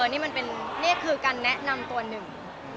นี่คือการแนะนำตัวหนึ่ง